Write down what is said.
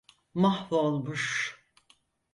Mahvolmuş.